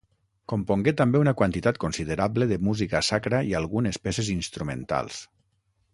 Compongué també una quantitat considerable de música sacra i algunes peces instrumentals.